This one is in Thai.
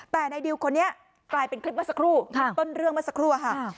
แต่ในดิวคนนี้กลายเป็นคลิปเมื่อสักครู่คลิปต้นเรื่องเมื่อสักครู่อะค่ะ